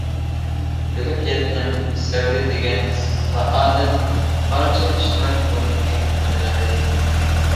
بىلىپ يەتتىم سەۋرى دېگەن سائادەت، بارچە ئىشلار بولىدىكەن قەرەللىك.